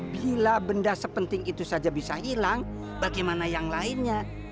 bila benda sepenting itu saja bisa hilang bagaimana yang lainnya